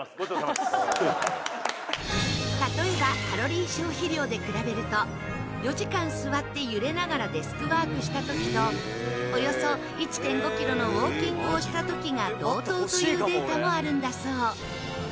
例えばカロリー消費量で比べると４時間座って揺れながらデスクワークした時とおよそ１．５キロのウォーキングをした時が同等というデータもあるんだそう。